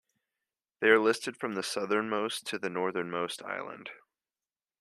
They are listed from the southernmost to the northernmost island.